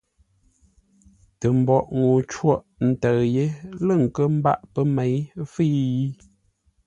Tə mboʼ ŋuu côghʼ ntə̂ʉ yé lə̂ nkə́ mbâʼ pə́ měi fə́i?